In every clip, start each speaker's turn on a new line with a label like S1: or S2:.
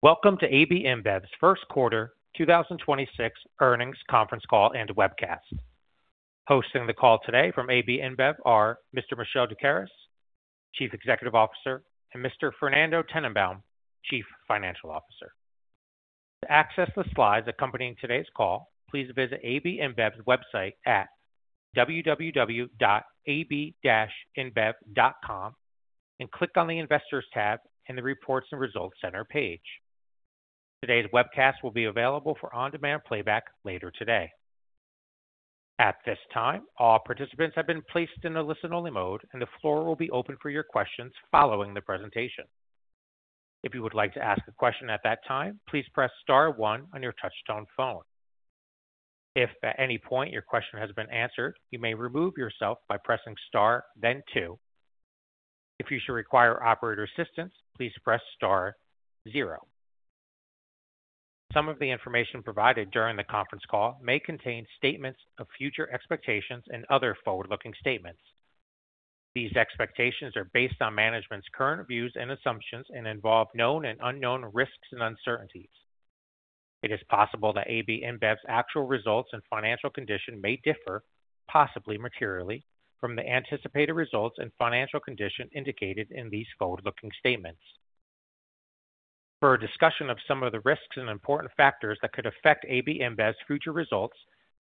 S1: Welcome to AB InBev's First Quarter 2026 Earnings Conference Call and Webcast. Hosting the call today from AB InBev are Mr. Michel Doukeris, Chief Executive Officer, and Mr. Fernando Tennenbaum, Chief Financial Officer. To access the slides accompanying today's call, please visit AB InBev's website at www.ab-inbev.com and click on the Investors tab in the Reports and Results Center page. Today's webcast will be available for on-demand playback later today. At this time, all participants have been placed in a listen-only mode, and the floor will be open for your questions following the presentation. If you would like to ask a question at that time, please press star one on your touch-tone phone. If at any point your question has been answered, you may remove yourself by pressing star then two. If you should require operator assistance, please press star zero. Some of the information provided during the conference call may contain statements of future expectations and other forward-looking statements. These expectations are based on management's current views and assumptions and involve known and unknown risks and uncertainties. It is possible that AB InBev's actual results and financial condition may differ, possibly materially, from the anticipated results and financial condition indicated in these forward-looking statements. For a discussion of some of the risks and important factors that could affect AB InBev's future results,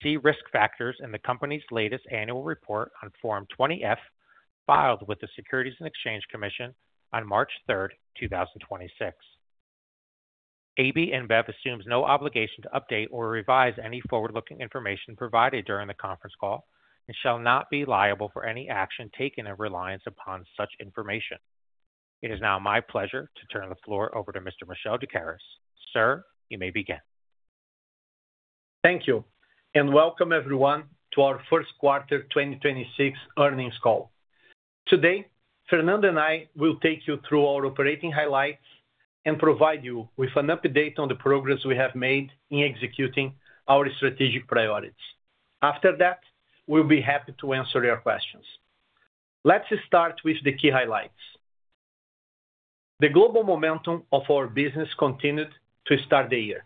S1: see risk factors in the company's latest annual report on Form 20-F filed with the Securities and Exchange Commission on March 3rd, 2026. AB InBev assumes no obligation to update or revise any forward-looking information provided during the conference call and shall not be liable for any action taken in reliance upon such information. It is now my pleasure to turn the floor over to Mr. Michel Doukeris. Sir, you may begin.
S2: Thank you. Welcome everyone to our first quarter 2026 earnings call. Today, Fernando and I will take you through our operating highlights and provide you with an update on the progress we have made in executing our strategic priorities. After that, we'll be happy to answer your questions. Let's start with the key highlights. The global momentum of our business continued to start the year.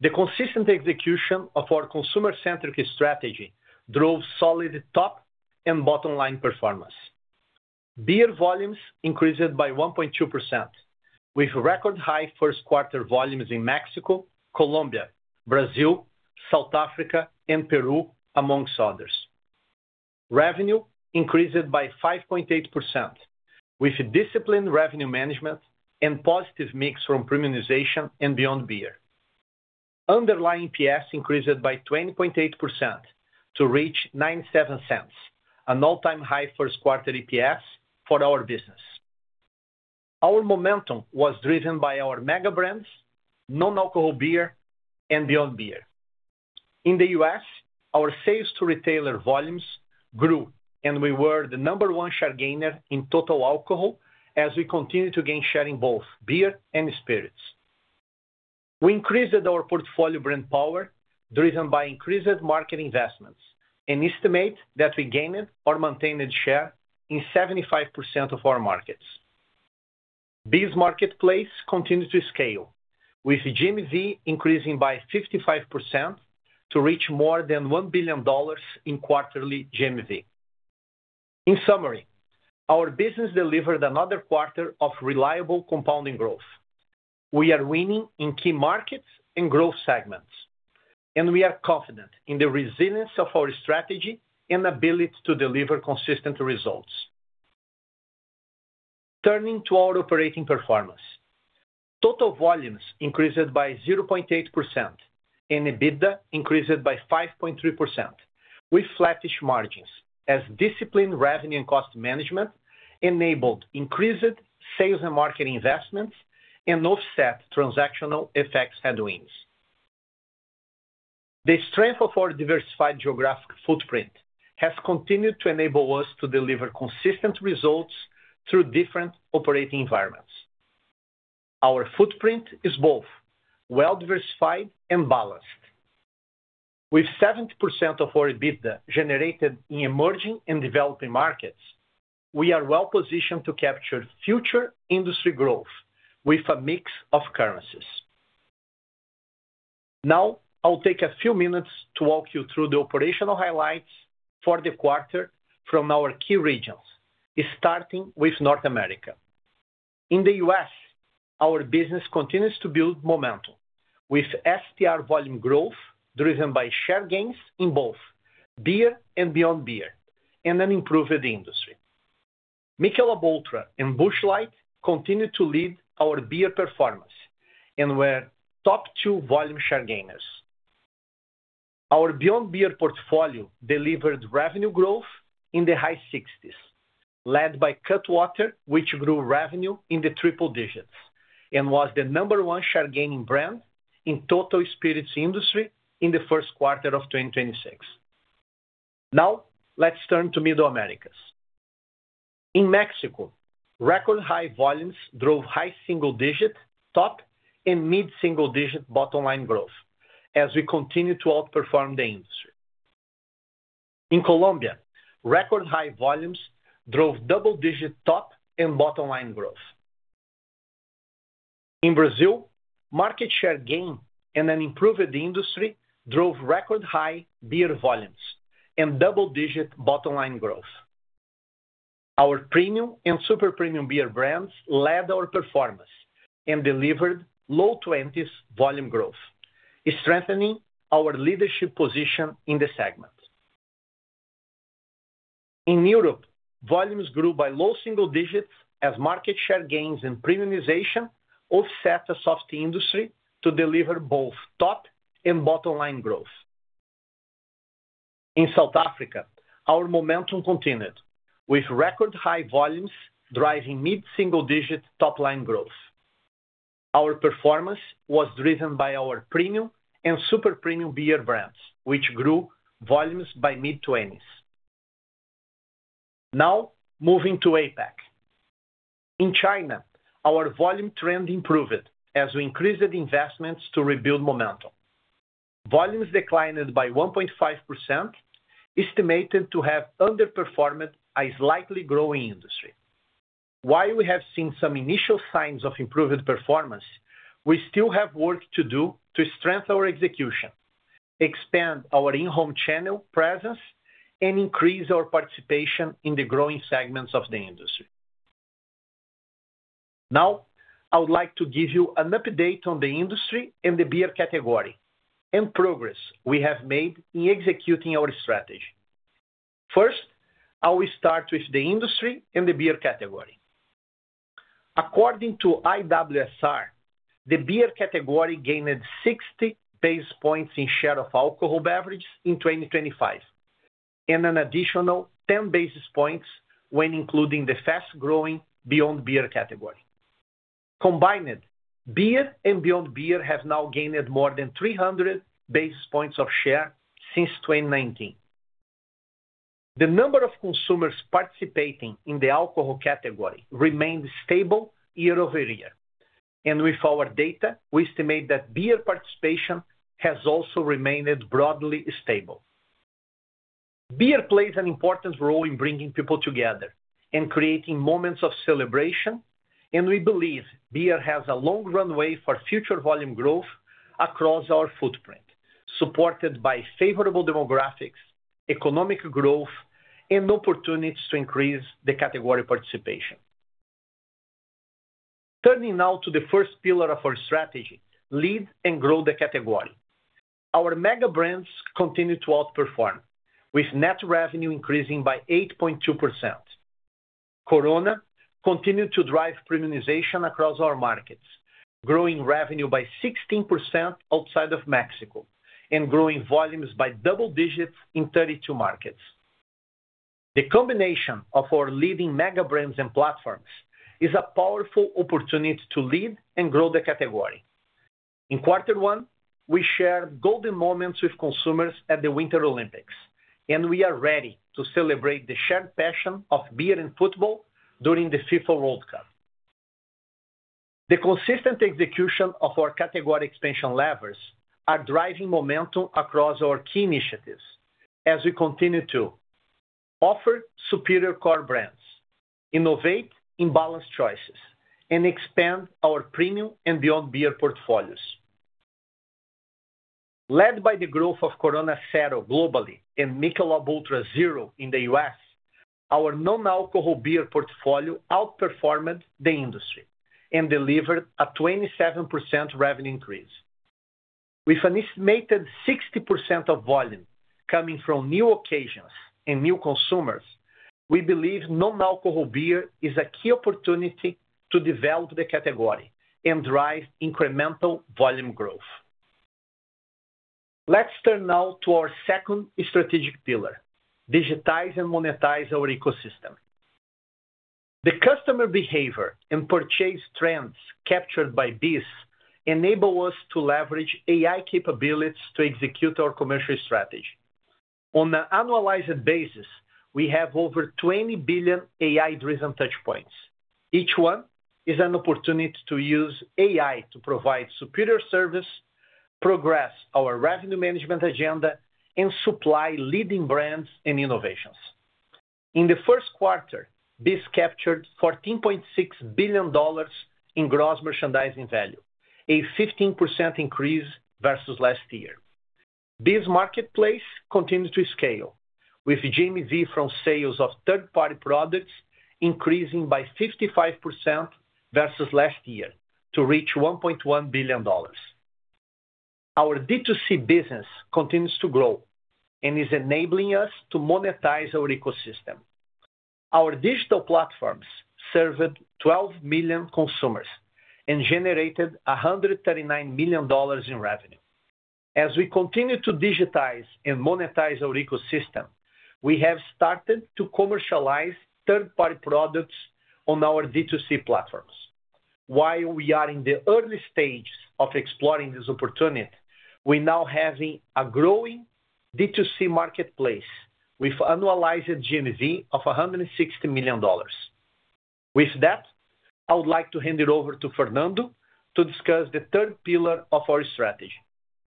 S2: The consistent execution of our consumer-centric strategy drove solid top and bottom-line performance. Beer volumes increased by 1.2% with record high first quarter volumes in Mexico, Colombia, Brazil, South Africa, and Peru, amongst others. Revenue increased by 5.8% with disciplined revenue management and positive mix from premiumization and Beyond Beer. Underlying EPS increased by 20.8% to reach $0.97, an all-time high first quarter EPS for our business. Our momentum was driven by our mega brands, non-alcohol beer and Beyond Beer. In the U.S., our sales to retailer volumes grew, and we were the number one share gainer in total alcohol as we continue to gain share in both beer and spirits. We increased our portfolio brand power driven by increased market investments and estimate that we gained or maintained share in 75% of our markets. BEES continued to scale with GMV increasing by 55% to reach more than $1 billion in quarterly GMV. In summary, our business delivered another quarter of reliable compounding growth. We are winning in key markets and growth segments, and we are confident in the resilience of our strategy and ability to deliver consistent results. Turning to our operating performance. Total volumes increased by 0.8% and EBITDA increased by 5.3% with flattish margins as disciplined revenue and cost management enabled increased sales and marketing investments and offset transactional headwinds. The strength of our diversified geographic footprint has continued to enable us to deliver consistent results through different operating environments. Our footprint is both well-diversified and balanced. With 70% of our EBITDA generated in emerging and developing markets, we are well positioned to capture future industry growth with a mix of currencies. I'll take a few minutes to walk you through the operational highlights for the quarter from our key regions, starting with North America. In the U.S., our business continues to build momentum with STR volume growth driven by share gains in both beer and Beyond Beer and an improved industry. Michelob ULTRA and Busch Light continued to lead our beer performance and were top two volume share gainers. Our Beyond Beer portfolio delivered revenue growth in the high 60s, led by Cutwater, which grew revenue in the triple digits and was the number one share-gaining brand in total spirits industry in the first quarter of 2026. Now let's turn to Middle Americas. In Mexico, record high volumes drove high single-digit top and mid-single digit bottom-line growth as we continue to outperform the industry. In Colombia, record high volumes drove double-digit top and bottom line growth. In Brazil, market share gain and an improved industry drove record high beer volumes and double-digit bottom line growth. Our premium and super premium beer brands led our performance and delivered low 20s volume growth, strengthening our leadership position in the segment. In Europe, volumes grew by low single digits as market share gains and premiumization offset a soft industry to deliver both top and bottom line growth. In South Africa, our momentum continued with record high volumes driving mid-single digit top-line growth. Our performance was driven by our premium and super premium beer brands, which grew volumes by mid-20s. Moving to APAC. In China, our volume trend improved as we increased the investments to rebuild momentum. Volumes declined by 1.5%, estimated to have underperformed a slightly growing industry. While we have seen some initial signs of improved performance, we still have work to do to strengthen our execution, expand our in-home channel presence, and increase our participation in the growing segments of the industry. Now, I would like to give you an update on the industry and the beer category and progress we have made in executing our strategy. First, I will start with the industry and the beer category. According to IWSR, the beer category gained 60 basis points in share of alcohol beverage in 2025, and an additional 10 basis points when including the fast-growing Beyond Beer category. Combined, beer and Beyond Beer have now gained more than 300 basis points of share since 2019. The number of consumers participating in the alcohol category remained stable year-over-year. With our data, we estimate that beer participation has also remained broadly stable. Beer plays an important role in bringing people together and creating moments of celebration, and we believe beer has a long runway for future volume growth across our footprint, supported by favorable demographics, economic growth, and opportunities to increase the category participation. Turning now to the first pillar of our strategy: lead and grow the category. Our mega brands continue to outperform with net revenue increasing by 8.2%. Corona continued to drive premiumization across our markets, growing revenue by 16% outside of Mexico and growing volumes by double digits in 32 markets. The combination of our leading mega brands and platforms is a powerful opportunity to lead and grow the category. In quarter one, we shared golden moments with consumers at the Winter Olympics, and we are ready to celebrate the shared passion of beer and football during the FIFA World Cup. The consistent execution of our category expansion levers are driving momentum across our key initiatives as we continue to offer superior core brands, innovate in balanced choices, and expand our premium and Beyond Beer portfolios. Led by the growth of Corona Cero globally and Michelob ULTRA Zero in the U.S., our non-alcohol beer portfolio outperformed the industry and delivered a 27% revenue increase. With an estimated 60% of volume coming from new occasions and new consumers, we believe non-alcohol beer is a key opportunity to develop the category and drive incremental volume growth. Let's turn now to our second strategic pillar: digitize and monetize our ecosystem. The customer behavior and purchase trends captured by BEES enable us to leverage AI capabilities to execute our commercial strategy. On an annualized basis, we have over 20 billion AI-driven touch points. Each one is an opportunity to use AI to provide superior service, progress our revenue management agenda, and supply leading brands and innovations. In the first quarter, BEES captured $14.6 billion in gross merchandising value, a 15% increase versus last year. BEES marketplace continues to scale with GMV from sales of third-party products increasing by 55% versus last year to reach $1.1 billion. Our D2C business continues to grow and is enabling us to monetize our ecosystem. Our digital platforms served 12 million consumers and generated $139 million in revenue. As we continue to digitize and monetize our ecosystem, we have started to commercialize third-party products on our D2C platforms. While we are in the early stage of exploring this opportunity, we're now having a growing D2C marketplace with annualized GMV of $160 million. I would like to hand it over to Fernando to discuss the third pillar of our strategy,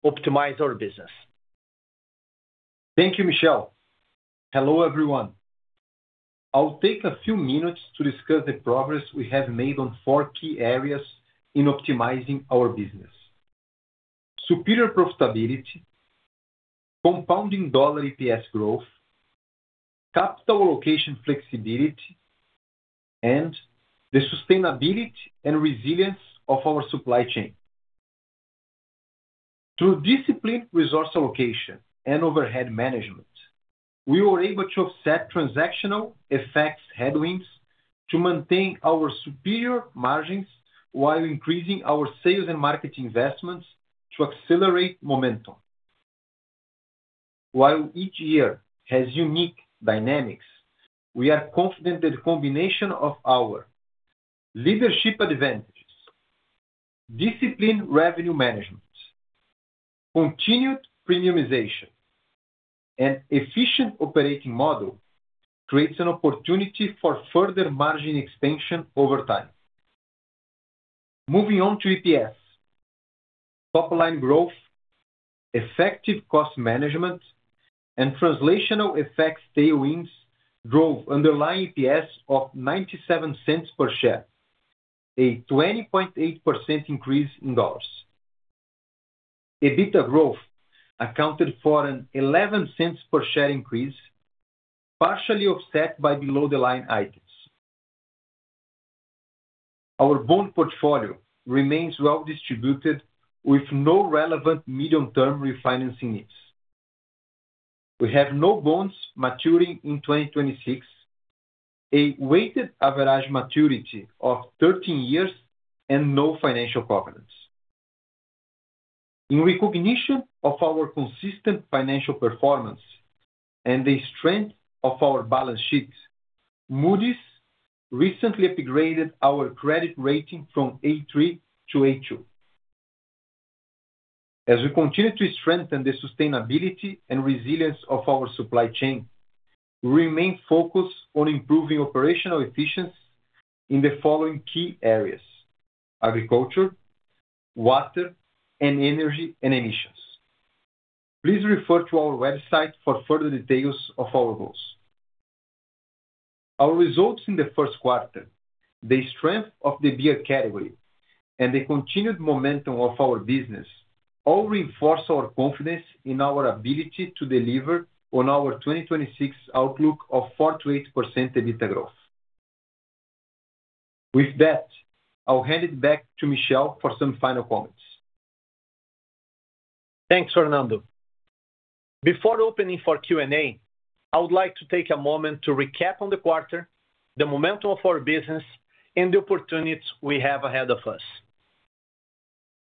S2: optimize our business.
S3: Thank you, Michel. Hello, everyone. I'll take a few minutes to discuss the progress we have made on four key areas in optimizing our business. Superior profitability, compounding dollar EPS growth, capital allocation flexibility, and the sustainability and resilience of our supply chain. Through disciplined resource allocation and overhead management, we were able to offset transactional effects headwinds to maintain our superior margins while increasing our sales and marketing investments to accelerate momentum. While each year has unique dynamics, we are confident the combination of our leadership advantages, disciplined revenue management, continued premiumization, and efficient operating model creates an opportunity for further margin expansion over time. Moving on to EPS. Topline growth, effective cost management, and translational effect tailwinds drove underlying EPS of $0.97 per share, a 20.8% increase in dollars. EBITDA growth accounted for an $0.11 per share increase, partially offset by below-the-line items. Our bond portfolio remains well-distributed with no relevant medium-term refinancing needs. We have no bonds maturing in 2026, a weighted average maturity of 13 years, and no financial covenants. In recognition of our consistent financial performance and the strength of our balance sheets, Moody's recently upgraded our credit rating from A3 to A2. As we continue to strengthen the sustainability and resilience of our supply chain, we remain focused on improving operational efficiency in the following key areas: agriculture, water, and energy and emissions. Please refer to our website for further details of our goals. Our results in the first quarter, the strength of the beer category, and the continued momentum of our business all reinforce our confidence in our ability to deliver on our 2026 outlook of 4%-8% EBITDA growth. With that, I'll hand it back to Michel for some final comments.
S2: Thanks, Fernando. Before opening for Q&A, I would like to take a moment to recap on the quarter, the momentum of our business, and the opportunities we have ahead of us.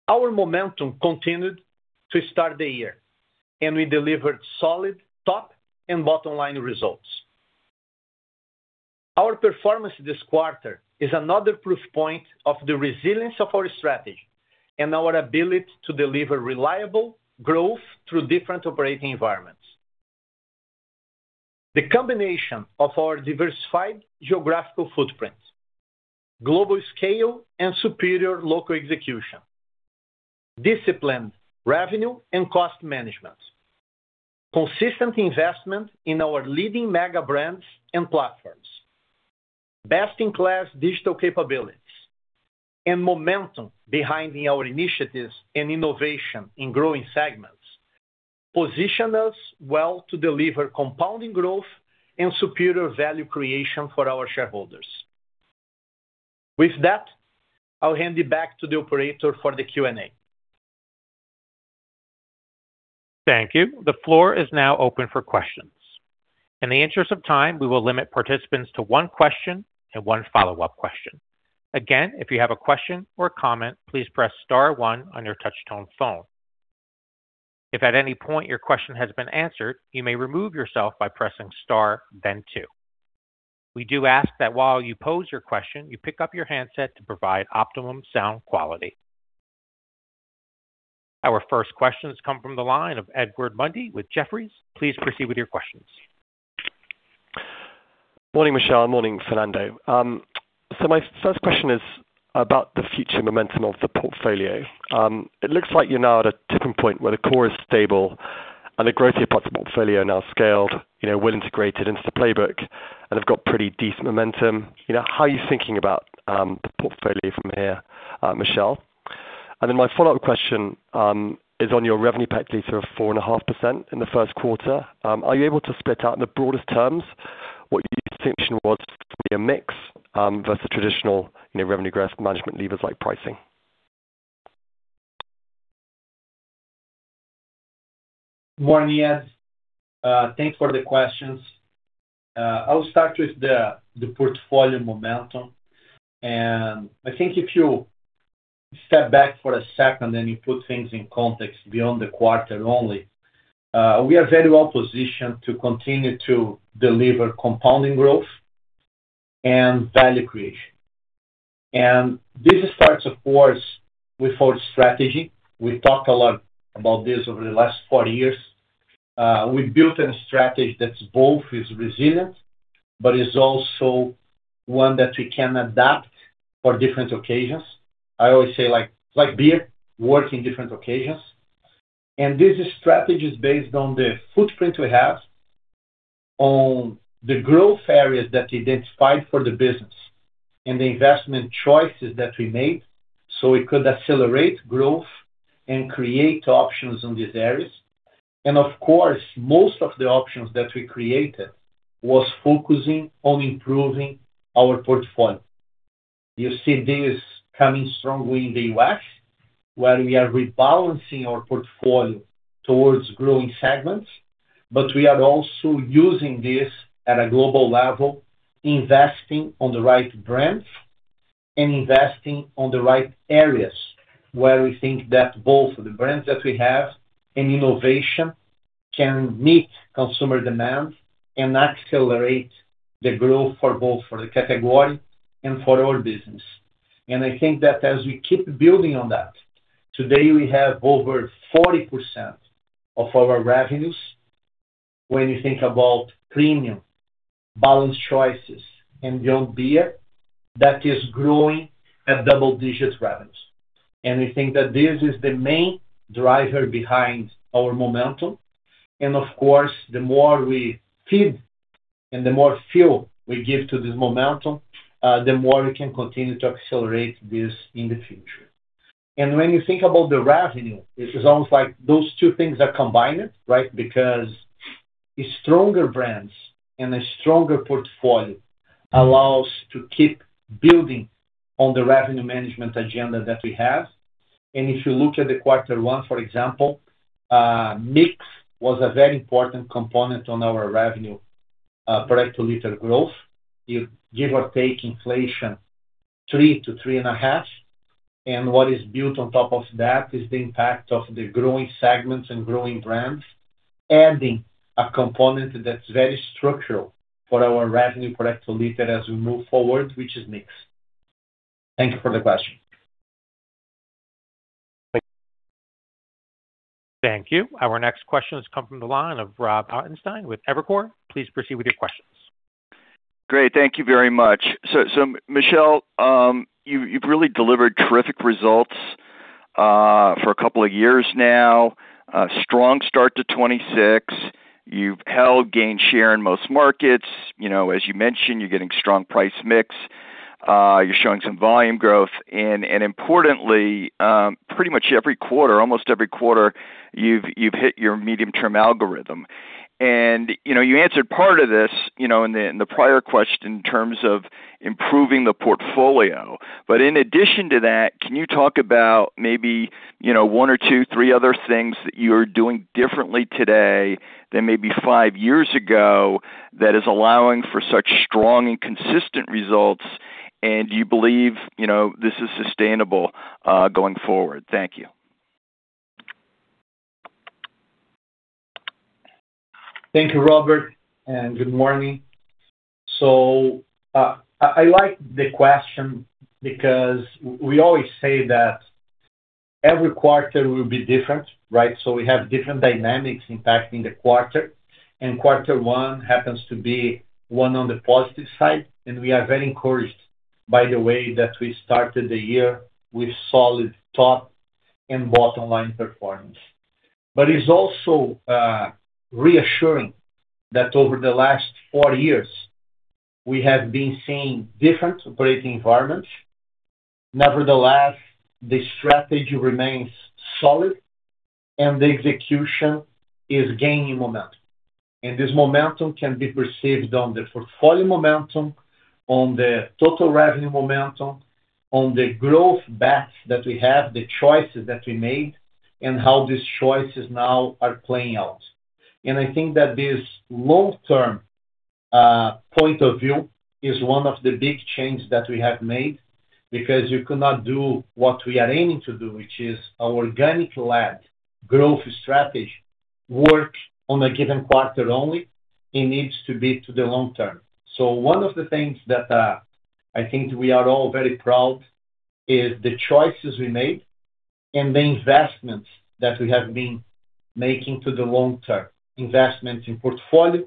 S2: Our momentum continued to start the year, and we delivered solid top and bottom-line results. Our performance this quarter is another proof point of the resilience of our strategy and our ability to deliver reliable growth through different operating environments. The combination of our diversified geographical footprint, global scale, and superior local execution, disciplined revenue and cost management, consistent investment in our leading mega brands and platforms, best-in-class digital capabilities, and momentum behind our initiatives and innovation in growing segments position us well to deliver compounding growth and superior value creation for our shareholders. With that, I'll hand it back to the operator for the Q&A.
S1: Thank you. The floor is now open for questions. In the interest of time, we will limit participants to one question and one follow-up question. Again, if you have a question or comment, please press star one on your touch-tone phone. If at any point your question has been answered, you may remove yourself by pressing star, then two. We do ask that while you pose your question, you pick up your handset to provide optimum sound quality. Our first question has come from the line of Edward Mundy with Jefferies. Please proceed with your questions.
S4: Morning, Michel. Morning, Fernando. My first question is about the future momentum of the portfolio. It looks like you're now at a tipping point where the core is stable and the growthier parts of the portfolio are now scaled, you know, well integrated into the playbook, and have got pretty decent momentum. You know, how are you thinking about the portfolio from here, Michel? My follow-up question is on your revenue practice of 4.5% in the first quarter. Are you able to split out in the broadest terms what your distinction was via mix versus traditional, you know, revenue growth management levers like pricing?
S2: Morning, Ed. Thanks for the questions. I'll start with the portfolio momentum. I think if you step back for a second and you put things in context beyond the quarter only, we are very well positioned to continue to deliver compounding growth and value creation. This starts, of course, with our strategy. We talked a lot about this over the last four years. We built a strategy that's both resilient, but is also one that we can adapt for different occasions. I always say, like beer, work in different occasions. This strategy is based on the footprint we have on the growth areas that we identified for the business and the investment choices that we made, so we could accelerate growth and create options in these areas. Of course, most of the options that we created was focusing on improving our portfolio. You see this coming strongly in the U.S., where we are rebalancing our portfolio towards growing segments. We are also using this at a global level, investing on the right brands and investing on the right areas where we think that both the brands that we have and innovation can meet consumer demand and accelerate the growth for both the category and for our business. I think that as we keep building on that, today, we have over 40% of our revenues, when you think about premium, balanced choices and Beyond Beer, that is growing at double-digits revenues. We think that this is the main driver behind our momentum. Of course, the more we feed and the more fuel we give to this momentum, the more we can continue to accelerate this in the future. When you think about the revenue, this is almost like those two things are combined, right? Stronger brands and a stronger portfolio allows to keep building on the revenue management agenda that we have. If you look at the quarter one, for example, mix was a very important component on our revenue per hectolitre growth. You give or take inflation 3%-3.5%. What is built on top of that is the impact of the growing segments and growing brands, adding a component that's very structural for our revenue per hectolitre as we move forward, which is mix. Thank you for the question.
S1: Thank you. Our next question has come from the line of Rob Ottenstein with Evercore. Please proceed with your questions.
S5: Great. Thank you very much. So Michel, you've really delivered terrific results for a couple of years now. A strong start to 2026. You've held, gained share in most markets. You know, as you mentioned, you're getting strong price mix. You're showing some volume growth and importantly, pretty much every quarter, almost every quarter, you've hit your medium-term algorithm. You know, you answered part of this, you know, in the prior question in terms of improving the portfolio. In addition to that, can you talk about maybe, you know, one or two, three other things that you're doing differently today than maybe five years ago that is allowing for such strong and consistent results? Do you believe, you know, this is sustainable going forward? Thank you.
S2: Thank you, Robert, and good morning. I like the question because we always say that every quarter will be different, right? We have different dynamics impacting the quarter, and quarter one happens to be one on the positive side, and we are very encouraged by the way that we started the year with solid top and bottom line performance. It's also reassuring that over the last four years, we have been seeing different operating environments. Nevertheless, the strategy remains solid and the execution is gaining momentum. This momentum can be perceived on the portfolio momentum, on the total revenue momentum, on the growth path that we have, the choices that we made, and how these choices now are playing out. I think that this long-term point of view is one of the big changes that we have made, because you could not do what we are aiming to do, which is our organic-led growth strategy, work on a given quarter only. It needs to be to the long term. One of the things that I think we are all very proud is the choices we made and the investments that we have been making to the long term. Investments in portfolio,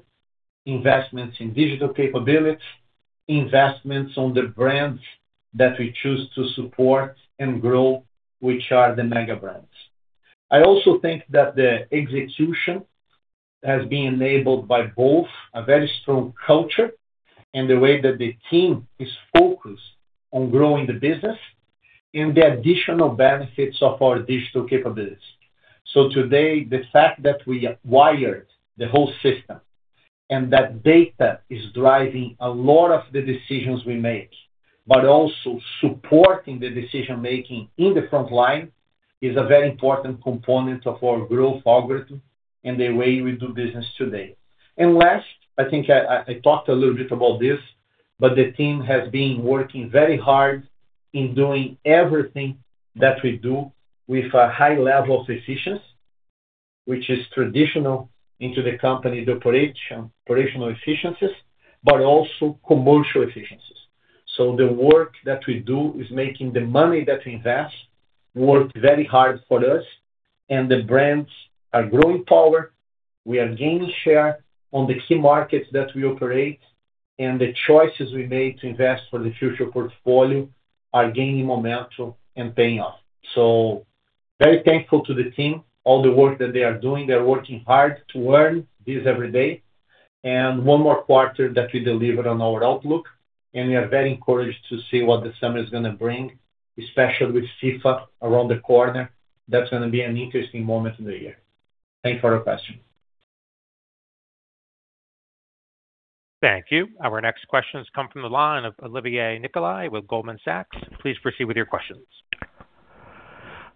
S2: investments in digital capability, investments on the brands that we choose to support and grow, which are the mega brands. I also think that the execution has been enabled by both a very strong culture and the way that the team is focused on growing the business and the additional benefits of our digital capabilities. Today, the fact that we wired the whole system and that data is driving a lot of the decisions we make, but also supporting the decision-making in the front line is a very important component of our growth algorithm and the way we do business today. Last, I think I talked a little bit about this, but the team has been working very hard in doing everything that we do with a high level of efficiency, which is traditional into the company's operation, operational efficiencies, but also commercial efficiencies. The work that we do is making the money that we invest work very hard for us, and the brands are growing power. We are gaining share on the key markets that we operate, and the choices we made to invest for the future portfolio are gaining momentum and paying off. Very thankful to the team, all the work that they are doing. They're working hard to earn this every day. One more quarter that we delivered on our outlook, and we are very encouraged to see what the summer is going to bring, especially with FIFA around the corner. That's going to be an interesting moment in the year. Thank you for your question.
S1: Thank you. Our next question has come from the line of Olivier Nicolai with Goldman Sachs. Please proceed with your questions.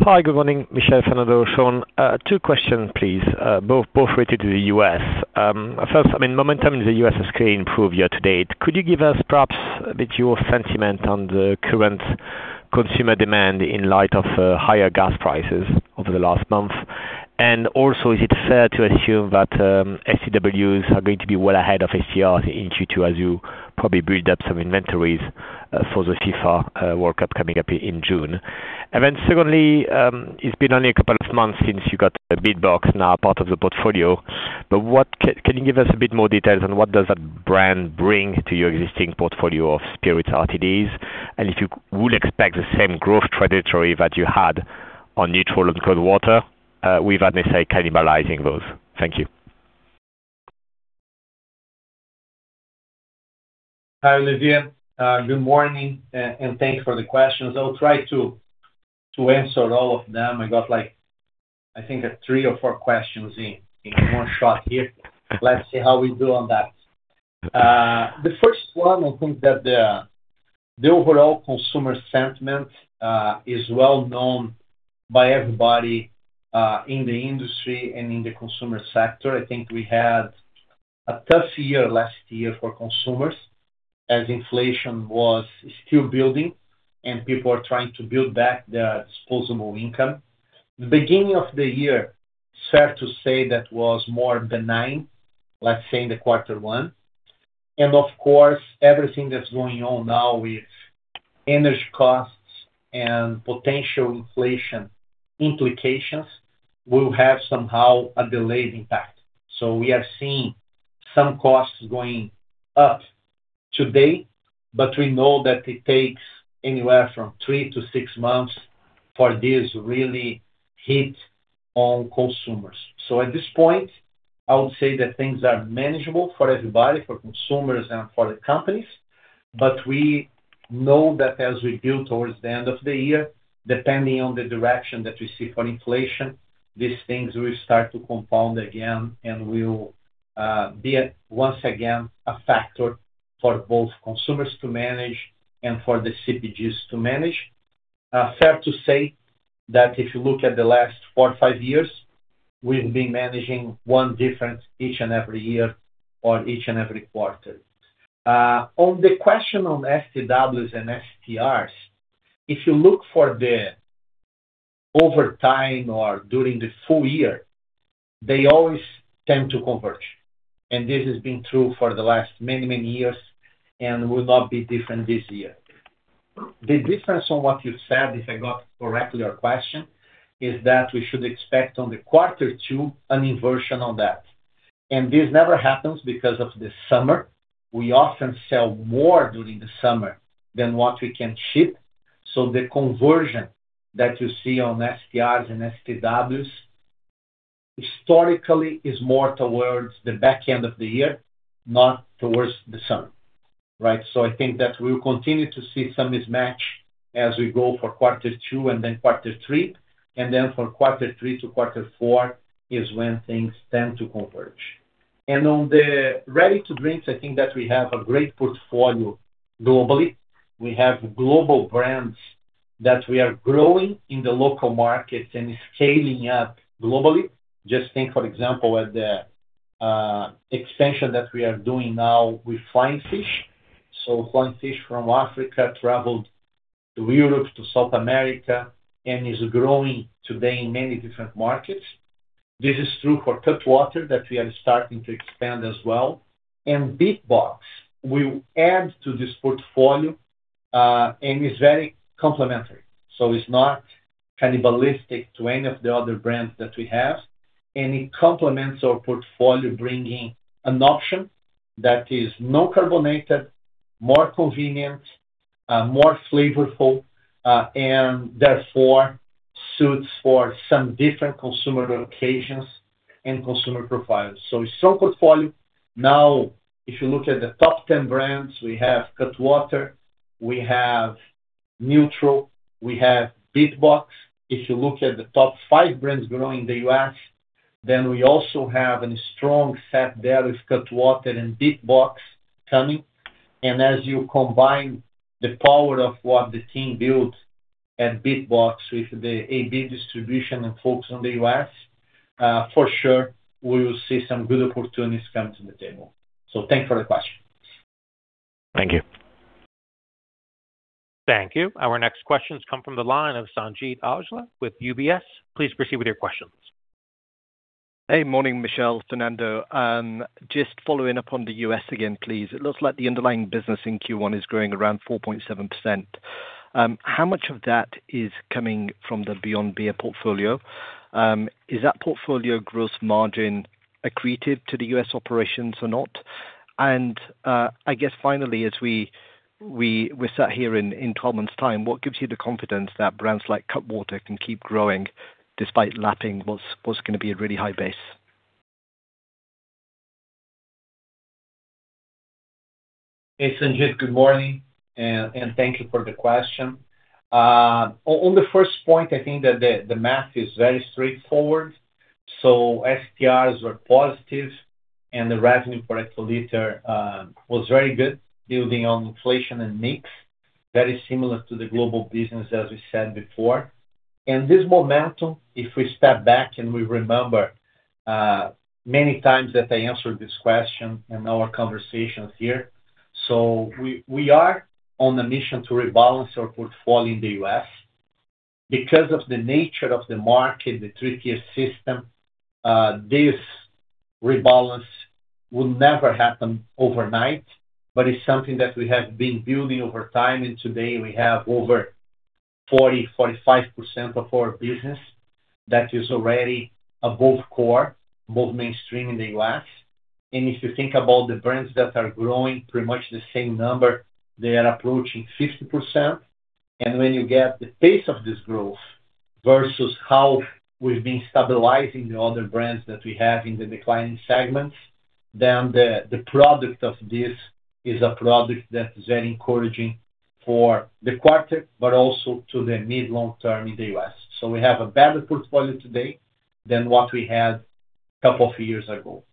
S6: Hi, good morning, Michel, Fernando, Shaun. Two questions, please, both related to the U.S. First, I mean, momentum in the U.S. has clearly improved year-to-date. Could you give us perhaps a bit your sentiment on the current consumer demand in light of higher gas prices over the last month? Also, is it fair to assume that STWs are going to be well ahead of STRs in Q2 as you probably build up some inventories for the FIFA World Cup coming up in June? Secondly, it's been only a couple of months since you got BeatBox now part of the portfolio, but can you give us a bit more details on what does that brand bring to your existing portfolio of spirits RTDs? If you would expect the same growth trajectory that you had on NÜTRL and Cutwater, without necessarily cannibalizing those. Thank you.
S2: Hi, Olivier. Good morning, and thank you for the questions. I'll try to answer all of them. I got, like, I think, three or four questions in one shot here. Let's see how we do on that. The first one, I think that the overall consumer sentiment is well known by everybody in the industry and in the consumer sector. I think we had a tough year last year for consumers as inflation was still building and people are trying to build back their disposable income. The beginning of the year, fair to say that was more benign, let's say in the quarter one. Of course, everything that's going on now with energy costs and potential inflation implications will have somehow a delayed impact. We have seen some costs going up to date, but we know that it takes anywhere from three to six months for this really hit on consumers. At this point, I would say that things are manageable for everybody, for consumers and for the companies. We know that as we build towards the end of the year, depending on the direction that we see for inflation, these things will start to compound again and will be a, once again, a factor for both consumers to manage and for the CPGs to manage. Fair to say that if you look at the last four or five years, we've been managing one difference each and every year or each and every quarter. On the question on STWs and STRs, if you look for the over time or during the full year, they always tend to converge. This has been true for the last many, many years and will not be different this year. The difference on what you said, if I got correctly your question, is that we should expect on the quarter two an inversion on that. This never happens because of the summer. We often sell more during the summer than what we can ship. The conversion that you see on STRs and STWs historically is more towards the back end of the year, not towards the summer. Right. I think that we'll continue to see some mismatch as we go for quarter two and then quarter three, and then from quarter three to quarter four is when things tend to converge. On the ready-to-drinks, I think that we have a great portfolio globally. We have global brands that we are growing in the local markets and scaling up globally. Just think, for example, at the expansion that we are doing now with Flying Fish. Flying Fish from Africa traveled to Europe, to South America, and is growing today in many different markets. This is true for Cutwater that we are starting to expand as well. Beatbox will add to this portfolio and is very complementary. It's not cannibalistic to any of the other brands that we have. It complements our portfolio, bringing an option that is non-carbonated, more convenient, more flavorful, and therefore, suits for some different consumer occasions and consumer profiles. It's our portfolio. Now, if you look at the top 10 brands, we have Cutwater, we have NÜTRL, we have Beatbox. If you look at the top five brands growing in the U.S., then we also have a strong set there with Cutwater and BeatBox coming. As you combine the power of what the team built at BeatBox with the AB distribution and folks in the U.S., for sure we will see some good opportunities come to the table. Thank you for the question.
S6: Thank you.
S1: Thank you. Our next questions come from the line of Sanjeet Aujla with UBS. Please proceed with your questions.
S7: Hey, morning, Michel, Fernando. Just following up on the U.S. again, please. It looks like the underlying business in Q1 is growing around 4.7%. How much of that is coming from the Beyond Beer portfolio? Is that portfolio gross margin accretive to the U.S. operations or not? I guess finally, as we sat here in 12 months time, what gives you the confidence that brands like Cutwater can keep growing despite lapping what's going to be a really high base?
S2: Hey, Sanjeet, good morning, and thank you for the question. On the first point, I think that the math is very straightforward. STRs were positive and the revenue per hectoliter was very good, building on inflation and mix, very similar to the global business as we said before. This momentum, if we step back and we remember many times that I answered this question in our conversations here. We are on a mission to rebalance our portfolio in the U.S. Because of the nature of the market, the 3-tier system, this rebalance will never happen overnight, but it's something that we have been building over time. Today we have over 40%-45% of our business that is already above core, above mainstream in the U.S. If you think about the brands that are growing pretty much the same number, they are approaching 50%. When you get the pace of this growth versus how we've been stabilizing the other brands that we have in the declining segments, then the product of this is a product that is very encouraging for the quarter, but also to the mid, long term in the U.S. We have a better portfolio today than what we had couple of years ago.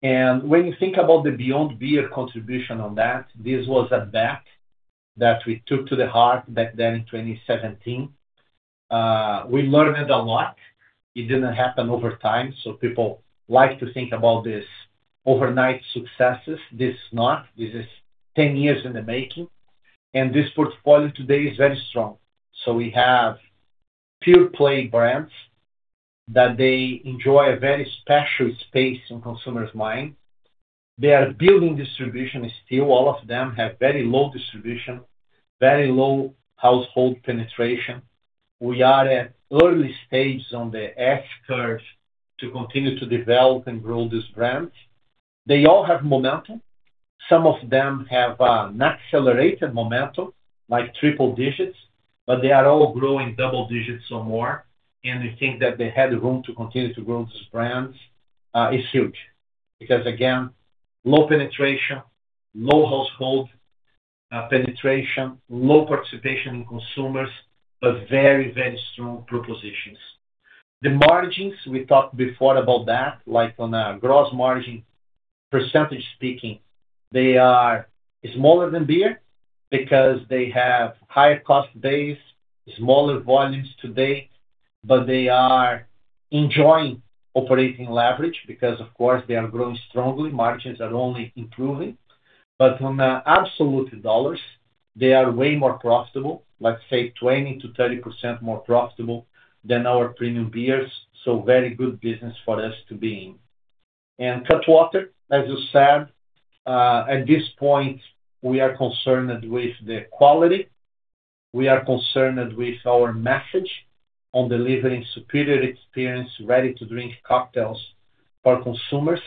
S2: When you think about the Beyond Beer contribution on that, this was a bet that we took to the heart back then in 2017. We learned a lot. It didn't happen over time, so people like to think about this overnight successes. This is not. This is 10 years in the making. This portfolio today is very strong. We have pure play brands that they enjoy a very special space in consumers' mind. They are building distribution still. All of them have very low distribution, very low household penetration. We are at early stage on the S-curve to continue to develop and grow this brand. They all have momentum. Some of them have an accelerated momentum, like triple digits, but they are all growing double digits or more. The thing that they have the room to continue to grow this brand is huge. Because again, low penetration, low household penetration, low participation in consumers, but very, very strong propositions. The margins, we talked before about that, like on a gross margin percentage speaking, they are smaller than beer because they have higher cost base, smaller volumes today, but they are enjoying operating leverage because of course they are growing strongly. Margins are only improving. On the absolute dollars, they are way more profitable, let's say 20%-30% more profitable than our premium beers. Very good business for us to be in. Cutwater, as you said, at this point, we are concerned with the quality. We are concerned with our message on delivering superior experience, ready-to-drink cocktails for consumers,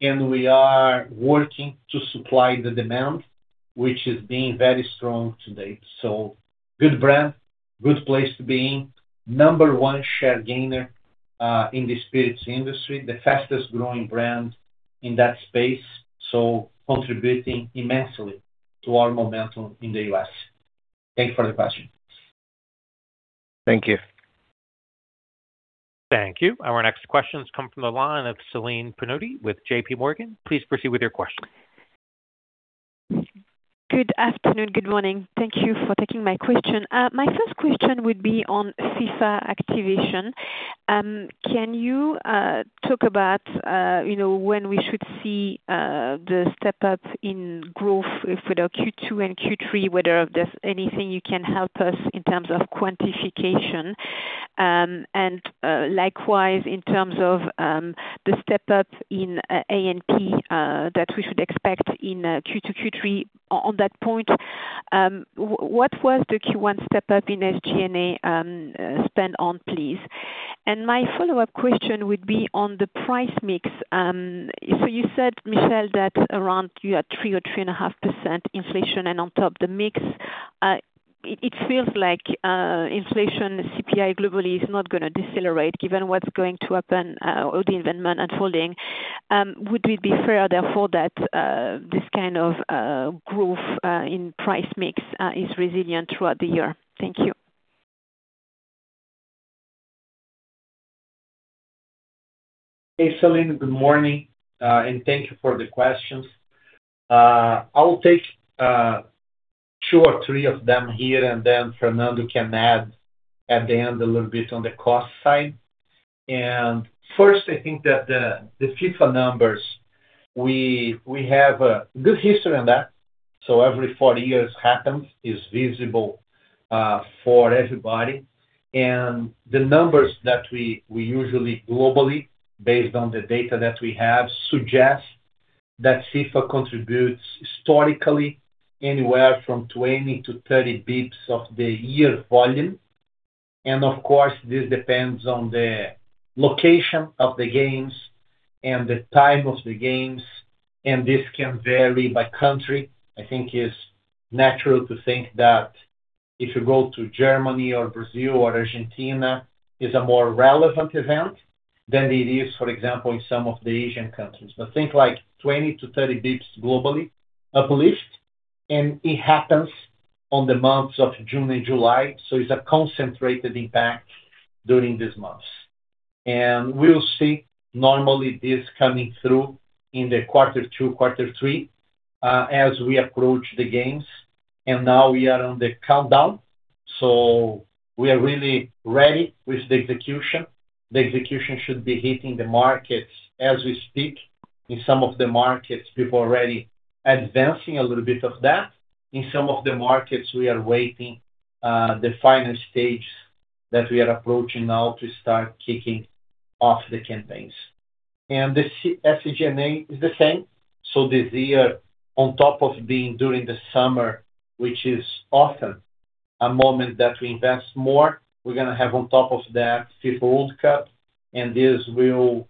S2: and we are working to supply the demand, which is being very strong to date. Good brand, good place to be in. Number one share gainer in the spirits industry, the fastest growing brand in that space, contributing immensely to our momentum in the U.S. Thank you for the question.
S7: Thank you.
S1: Thank you. Our next questions come from the line of Celine Pannuti with JPMorgan. Please proceed with your question.
S8: Good afternoon. Good morning. Thank you for taking my question. My first question would be on FIFA activation. Can you talk about, you know, when we should see the step-up in growth for the Q2 and Q3, whether there's anything you can help us in terms of quantification? Likewise, in terms of the step-up in A&P that we should expect in Q2, Q3. On that point, what was the Q1 step-up in SG&A spend on, please? My follow-up question would be on the price mix. You said, Michel, that around you had 3% or 3.5% inflation and on top the mix. It feels like inflation CPI globally is not going to decelerate given what's going to happen or the environment unfolding. Would we be fair therefore that this kind of growth in price mix is resilient throughout the year? Thank you.
S2: Hey, Celine. Good morning. Thank you for the questions. I'll take two or three of them here, and then Fernando can add at the end a little bit on the cost side. First, I think that the FIFA numbers, we have a good history on that. Every four years happens, is visible for everybody. The numbers that we usually globally, based on the data that we have, suggest that FIFA contributes historically anywhere from 20-30 basis points of the year volume. Of course, this depends on the location of the games and the time of the games, and this can vary by country. I think it's natural to think that if you go to Germany or Brazil or Argentina is a more relevant event than it is, for example, in some of the Asian countries. Think like 20-30 basis points globally uplift. It happens on the months of June and July, so it's a concentrated impact during these months. We'll see normally this coming through in the quarter two, quarter three as we approach the games. Now we are on the countdown. We are really ready with the execution. The execution should be hitting the markets as we speak. In some of the markets, we've already advancing a little bit of that. In some of the markets, we are waiting the final stage that we are approaching now to start kicking off the campaigns. The SG&A is the same. This year, on top of being during the summer, which is often a moment that we invest more, we're going to have on top of that FIFA World Cup, and this will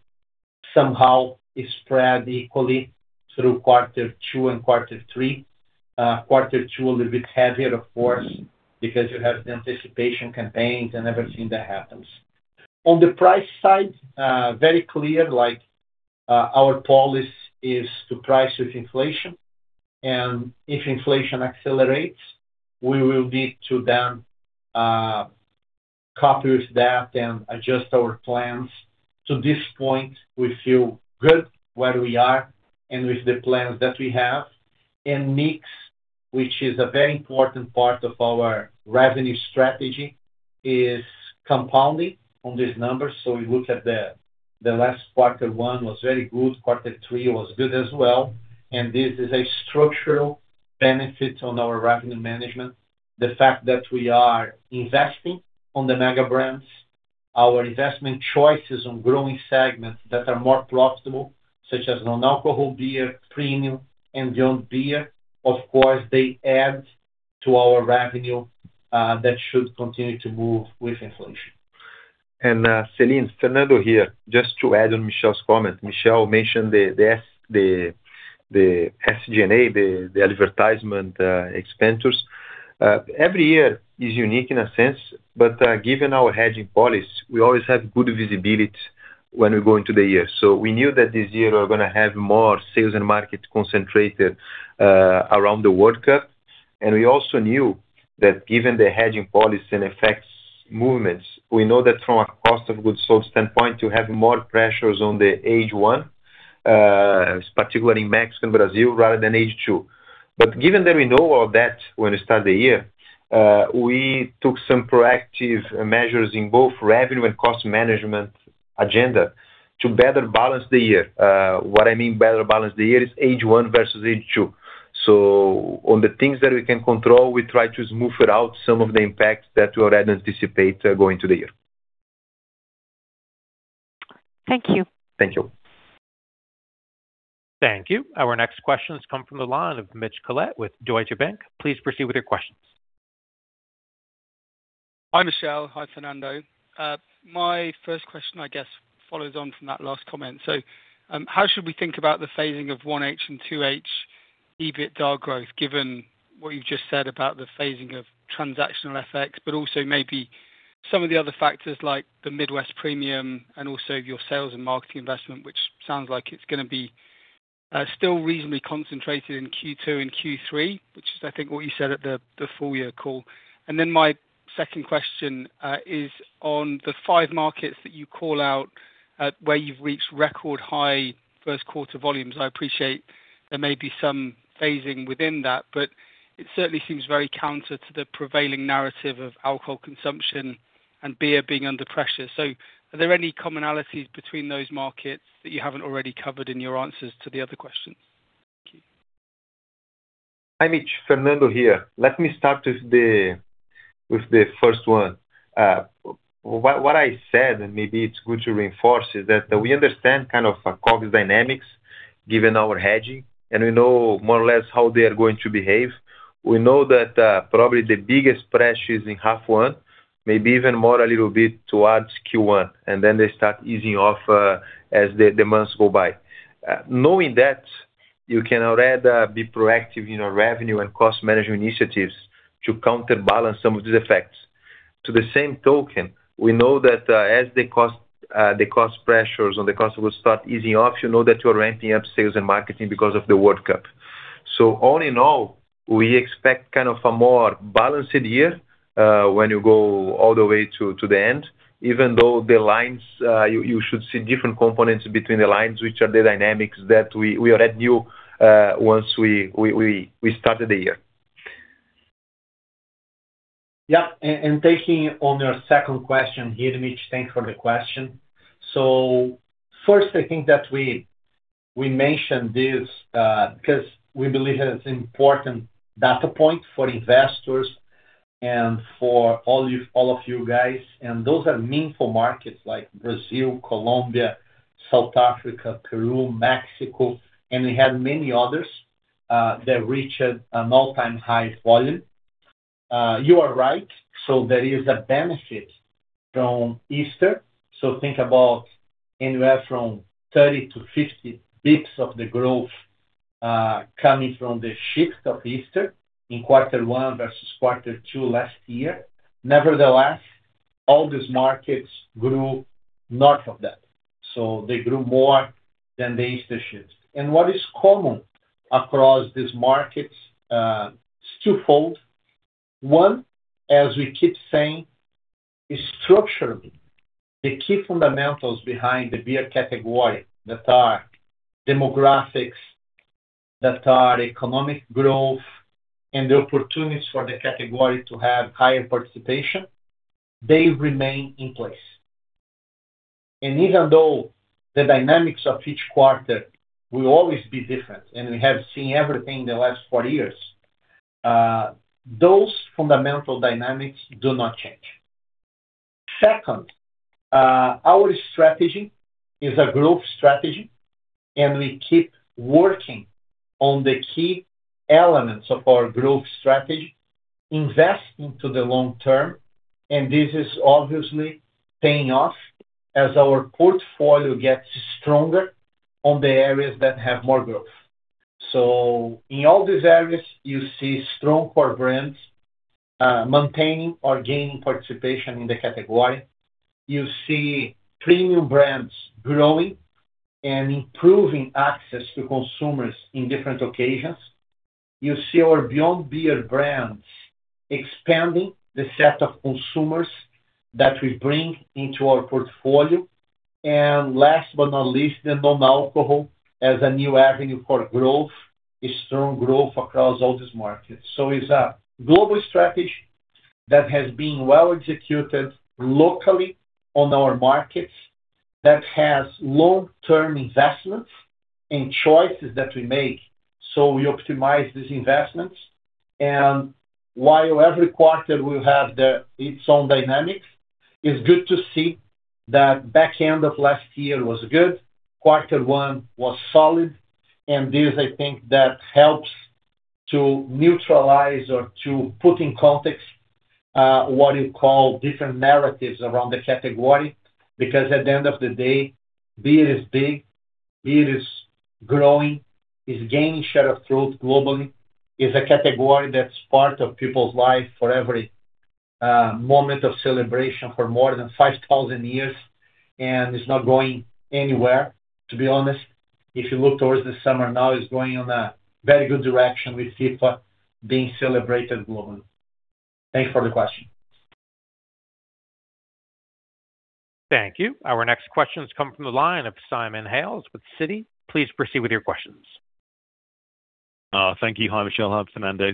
S2: somehow spread equally through quarter two and quarter three. Quarter two a little bit heavier, of course, because you have the anticipation campaigns and everything that happens. On the price side, very clear, like, our policy is to price with inflation. If inflation accelerates, we will need to then, cope with that and adjust our plans. To this point, we feel good where we are and with the plans that we have. Mix, which is a very important part of our revenue strategy, is compounding on these numbers. We look at the last quarter one was very good. Quarter three was good as well. This is a structural benefit on our revenue management. The fact that we are investing on the mega brands, our investment choices on growing segments that are more profitable, such as non-alcoholic beer, premium and Beyond Beer, of course, they add to our revenue that should continue to move with inflation.
S3: Celine, Fernando here. Just to add on Michel's comment. Michel mentioned the SG&A, the advertisement expenditures. Every year is unique in a sense, given our hedging policy, we always have good visibility when we go into the year. We knew that this year we're going to have more sales and market concentrated around the World Cup. We also knew that given the hedging policy and effects movements, we know that from a cost of goods sold standpoint, you have more pressures on the H1, particularly in Mexico and Brazil rather than H2. Given that we know all that when we start the year, we took some proactive measures in both revenue and cost management agenda to better balance the year. What I mean better balance the year is H1 versus H2. On the things that we can control, we try to smooth out some of the impacts that we already anticipate going to the year.
S8: Thank you.
S3: Thank you.
S1: Thank you. Our next questions come from the line of Mitch Collett with Deutsche Bank. Please proceed with your questions.
S9: Hi, Michel. Hi, Fernando. My first question, I guess, follows on from that last comment. How should we think about the phasing of 1H and 2H EBITDA growth, given what you've just said about the phasing of transactional FX, but also maybe some of the other factors like the Midwest premium and also your sales and marketing investment, which sounds like it's going to be still reasonably concentrated in Q2 and Q3, which is, I think, what you said at the full year call. My second question is on the five markets that you call out, where you've reached record high first quarter volumes. I appreciate there may be some phasing within that, but it certainly seems very counter to the prevailing narrative of alcohol consumption and beer being under pressure. Are there any commonalities between those markets that you haven't already covered in your answers to the other questions? Thank you.
S3: Hi, Mitch. Fernando here. Let me start with the first one. What I said, and maybe it's good to reinforce, is that we understand kind of a COGS dynamics given our hedging, and we know more or less how they are going to behave. We know that, probably the biggest pressure is in half one, maybe even more a little bit towards Q1, and then they start easing off as the months go by. Knowing that, you can already be proactive in our revenue and cost management initiatives to counterbalance some of these effects. To the same token, we know that, as the cost pressures on the customer start easing off, you know that you're ramping up sales and marketing because of the World Cup. All in all, we expect kind of a more balanced year, when you go all the way to the end. Even though the lines, you should see different components between the lines, which are the dynamics that we already knew, once we started the year.
S2: Yeah. Taking on your second question, Mitch, thanks for the question. First, I think that we mentioned this because we believe it is important data point for investors and for all of you guys, and those are meaningful markets like Brazil, Colombia, South Africa, Peru, Mexico, and we have many others that reached an all-time high volume. You are right, there is a benefit from Easter. Think about anywhere from 30-50 basis points of the growth coming from the shift of Easter in quarter one versus quarter two last year. Nevertheless, all these markets grew north of that. They grew more than the Easter shift. What is common across these markets is twofold. One, as we keep saying, is structurally, the key fundamentals behind the beer category that are demographics, that are economic growth, and the opportunities for the category to have higher participation, they remain in place. Even though the dynamics of each quarter will always be different, we have seen everything in the last four years, those fundamental dynamics do not change. Second, our strategy is a growth strategy, we keep working on the key elements of our growth strategy, investing to the long term, this is obviously paying off as our portfolio gets stronger on the areas that have more growth. In all these areas, you see strong core brands, maintaining or gaining participation in the category. You see premium brands growing and improving access to consumers in different occasions. You see our Beyond Beer brands expanding the set of consumers that we bring into our portfolio. Last but not least, the non-alcohol as a new avenue for growth, a strong growth across all these markets. It's a global strategy that has been well executed locally on our markets, that has long-term investments and choices that we make. We optimize these investments, and while every quarter will have its own dynamics, it's good to see that back end of last year was good, quarter one was solid. This, I think, that helps to neutralize or to put in context, what you call different narratives around the category. At the end of the day, beer is big, beer is growing, is gaining share of growth globally. It's a category that's part of people's life for every moment of celebration for more than 5,000 years, and it's not going anywhere, to be honest. If you look towards the summer now, it's going in a very good direction with FIFA being celebrated globally. Thank you for the question.
S1: Thank you. Our next question is coming from the line of Simon Hales with Citi. Please proceed with your questions.
S10: Thank you. Hi, Michel. Hi, Fernando.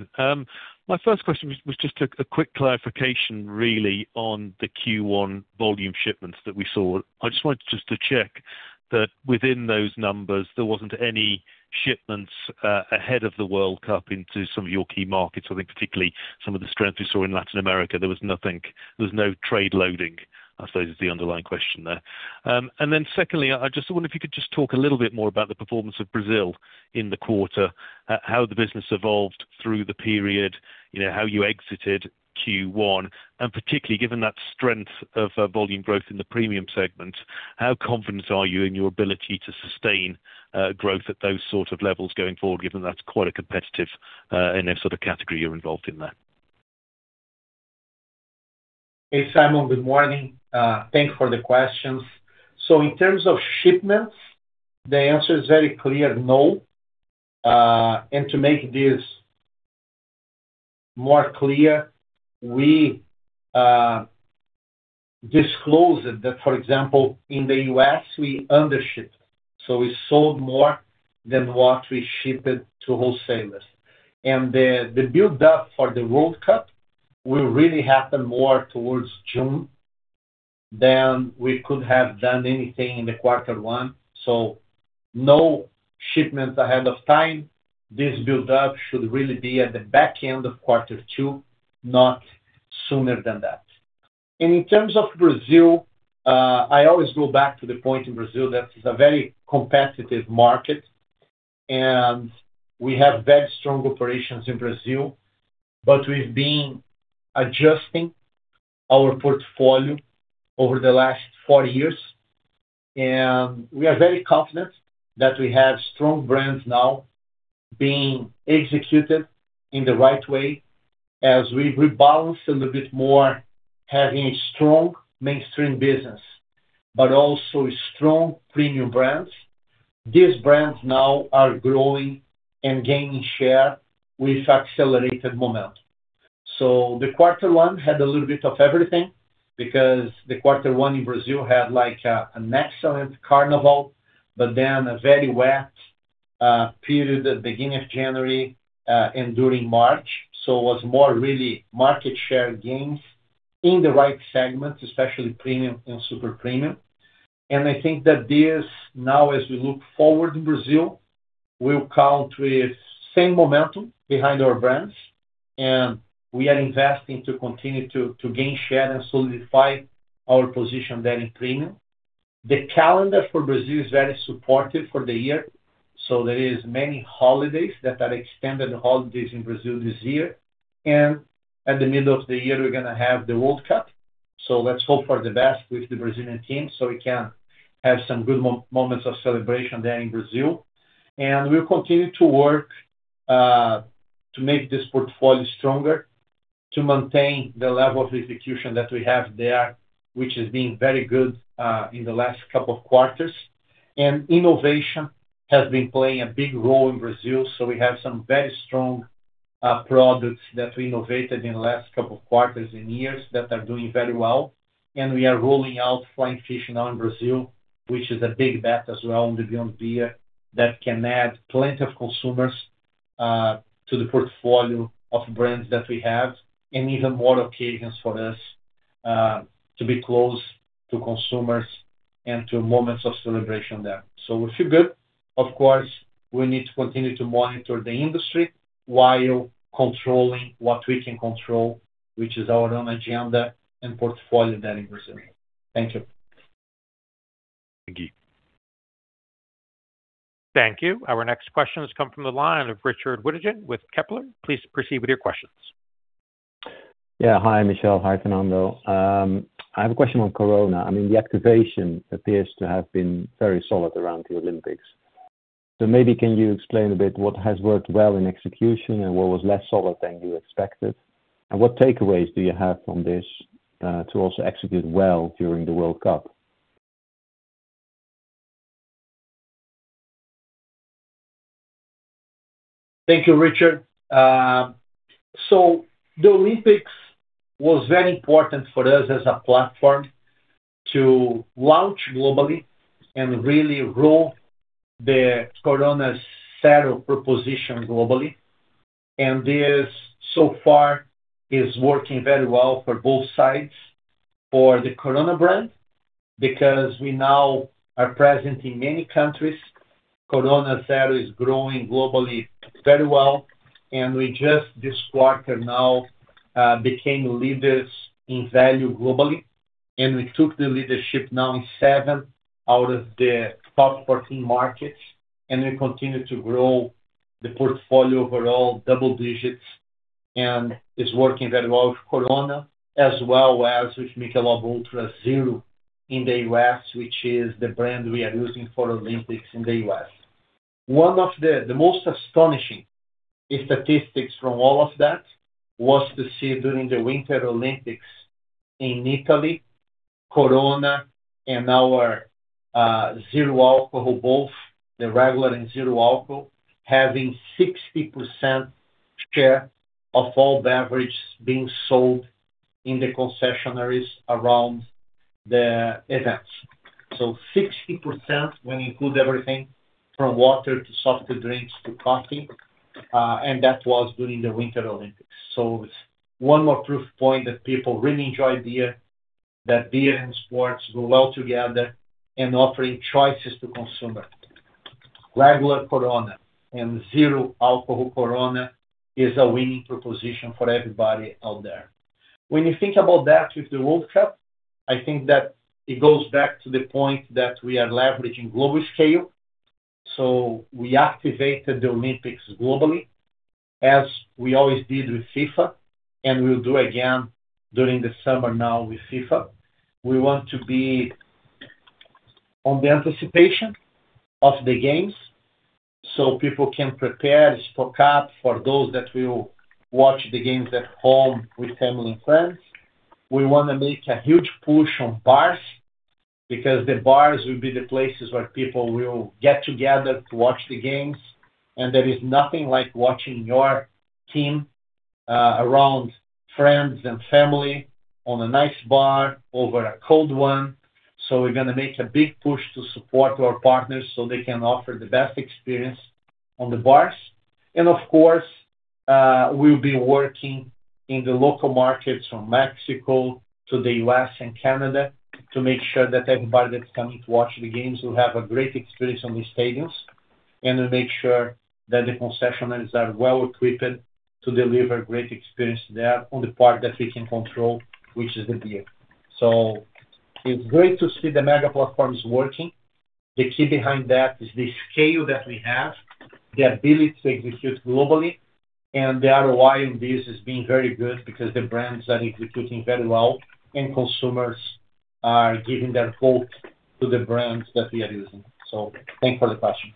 S10: My first question was just a quick clarification really on the Q1 volume shipments that we saw. I just wanted to check that within those numbers, there wasn't any shipments ahead of the World Cup into some of your key markets. I think particularly some of the strength we saw in Latin America, there was nothing. There was no trade loading, I suppose is the underlying question there. Secondly, I just wonder if you could just talk a little bit more about the performance of Brazil in the quarter, how the business evolved through the period, you know, how you exited Q1, and particularly given that strength of volume growth in the premium segment, how confident are you in your ability to sustain growth at those sort of levels going forward, given that's quite a competitive sort of category you're involved in there?
S2: Hey, Simon. Good morning. Thank you for the questions. In terms of shipments, the answer is very clear no. To make this more clear, we disclosed that, for example, in the U.S. we undershipped, so we sold more than what we shipped to wholesalers. The buildup for the World Cup will really happen more towards June than we could have done anything in the quarter one. No shipments ahead of time. This buildup should really be at the back end of quarter two, not sooner than that. In terms of Brazil, I always go back to the point in Brazil that it's a very competitive market, and we have very strong operations in Brazil, but we've been adjusting our portfolio over the last four years. We are very confident that we have strong brands now being executed in the right way as we rebalance a little bit more, having a strong mainstream business, also strong premium brands. These brands now are growing and gaining share with accelerated momentum. The quarter one had a little bit of everything because the quarter one in Brazil had like an excellent carnival, then a very wet period at the beginning of January and during March. It was more really market share gains in the right segments, especially premium and super premium. I think that this now as we look forward in Brazil, we will count with same momentum behind our brands, and we are investing to continue to gain share and solidify our position there in premium. The calendar for Brazil is very supportive for the year, so there is many holidays that are extended holidays in Brazil this year. At the middle of the year, we're going to have the World Cup. Let's hope for the best with the Brazilian team, so we can have some good moments of celebration there in Brazil. We'll continue to work to make this portfolio stronger, to maintain the level of execution that we have there, which has been very good in the last couple of quarters. Innovation has been playing a big role in Brazil, so we have some very strong products that we innovated in the last couple of quarters and years that are doing very well. We are rolling out Flying Fish now in Brazil, which is a big bet as well in the Beyond Beer that can add plenty of consumers to the portfolio of brands that we have, and even more occasions for us to be close to consumers and to moments of celebration there. We feel good. Of course, we need to continue to monitor the industry while controlling what we can control, which is our own agenda and portfolio there in Brazil. Thank you.
S10: Thank you.
S1: Thank you. Our next question has come from the line of Richard Withagen with Kepler. Please proceed with your questions.
S11: Hi, Michel. Hi, Fernando. I have a question on Corona. I mean, the activation appears to have been very solid around the Olympics. Maybe can you explain a bit what has worked well in execution and what was less solid than you expected? What takeaways do you have from this to also execute well during the World Cup?
S2: Thank you, Richard. The Olympics was very important for us as a platform to launch globally and really grow the Corona Cero proposition globally. This so far is working very well for both sides. For the Corona brand, because we now are present in many countries. Corona Cero is growing globally very well, we just this quarter now became leaders in value globally. We took the leadership now in seven out of the top 14 markets, and we continue to grow the portfolio overall double digits and is working very well for Corona, as well as with Michelob ULTRA Zero in the U.S., which is the brand we are using for Olympics in the U.S. One of the most astonishing statistics from all of that was to see during the Winter Olympics in Italy, Corona and our zero alcohol, both the regular and zero alcohol, having 60% share of all beverage being sold in the concessionaires around the events. 60% when you include everything from water to soft drinks to coffee, and that was during the Winter Olympics. It's one more proof point that people really enjoy beer, that beer and sports go well together, and offering choices to consumer. Regular Corona and zero alcohol Corona is a winning proposition for everybody out there. When you think about that with the World Cup, I think that it goes back to the point that we are leveraging global scale. We activated the Olympics globally, as we always did with FIFA, and we'll do again during the summer now with FIFA. We want to be on the anticipation of the games, so people can prepare, stock up for those that will watch the games at home with family and friends. We want to make a huge push on bars because the bars will be the places where people will get together to watch the games. There is nothing like watching your team around friends and family on a nice bar over a cold one. We're going to make a big push to support our partners so they can offer the best experience on the bars. Of course, we'll be working in the local markets from Mexico to the U.S. and Canada to make sure that everybody that's coming to watch the games will have a great experience on the stadiums. We'll make sure that the concessioners are well equipped to deliver great experience there on the part that we can control, which is the beer. It's great to see the mega platform is working. The key behind that is the scale that we have, the ability to execute globally, and the ROI on this is being very good because the brands are executing very well and consumers are giving their vote to the brands that we are using. Thanks for the question.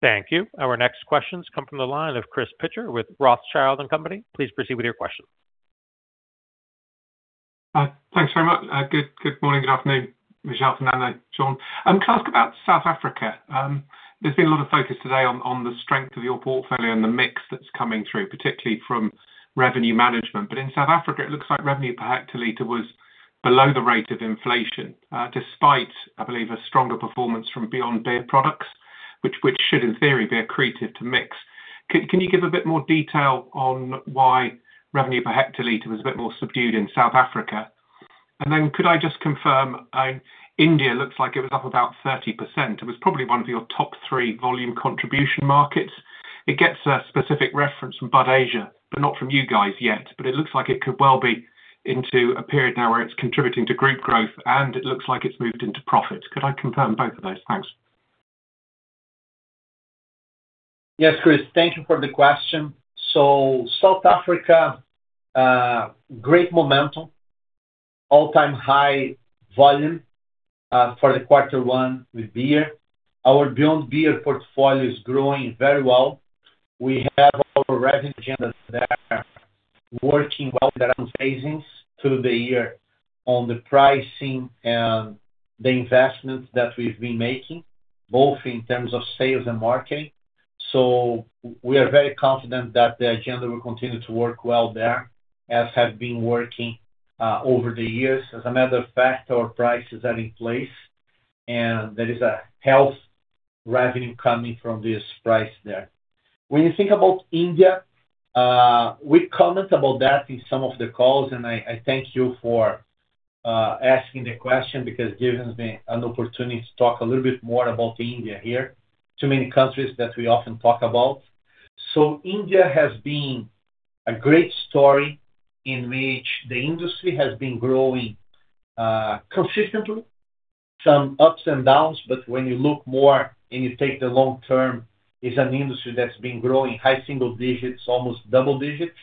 S1: Thank you. Our next questions come from the line of Chris Pitcher with Rothschild & Co. Please proceed with your question.
S12: Thanks very much. Good afternoon, Michel, Fernando, Shaun. Can I ask about South Africa? There's been a lot of focus today on the strength of your portfolio and the mix that's coming through, particularly from revenue management. In South Africa, it looks like revenue per hectoliter was below the rate of inflation, despite, I believe, a stronger performance from Beyond Beer products, which should, in theory, be accretive to mix. Can you give a bit more detail on why revenue per hectoliter was a bit more subdued in South Africa? Could I just confirm, India looks like it was up about 30%. It was probably one of your top three volume contribution markets. It gets a specific reference from Budweiser, but not from you guys yet. It looks like it could well be into a period now where it's contributing to group growth, and it looks like it's moved into profit. Could I confirm both of those? Thanks.
S2: Yes, Chris. Thank you for the question. South Africa, great momentum, all-time high volume for the quarter one with beer. Our Beyond Beer portfolio is growing very well. We have our revenue agendas that are working well there on facings through the year on the pricing and the investment that we've been making, both in terms of sales and marketing. We are very confident that the agenda will continue to work well there, as have been working over the years. As a matter of fact, our prices are in place, and there is a health revenue coming from this price there. When you think about India, we comment about that in some of the calls, I thank you for asking the question because it gives me an opportunity to talk a little bit more about India here. Too many countries that we often talk about. India has been a great story in which the industry has been growing consistently, some ups and downs, but when you look more and you take the long term, it's an industry that's been growing high single digits, almost double digits.